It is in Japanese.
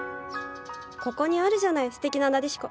ここにあるじゃないすてきなナデシコ。